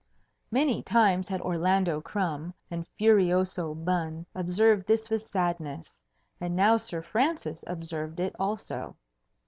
Many times had Orlando Crumb and Furioso Bun observed this with sadness, and now Sir Francis observed it also.